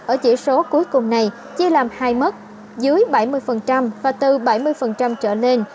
ở chỉ số cuối cùng này chia làm hai mức dưới bảy mươi và từ bảy mươi trở lên